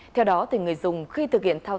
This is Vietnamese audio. theo đó thì người dùng khi thực hiện tham gia